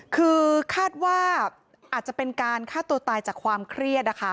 คือคาดว่าอาจจะเป็นการฆ่าตัวตายจากความเครียดนะคะ